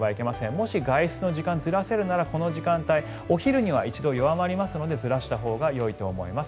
もし、外出の時間をずらせるならこの時間帯お昼には一度弱まりますのでずらしたほうがよいと思います。